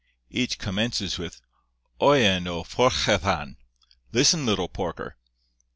Each commences with 'Oian a phorchellan'—listen, little porker!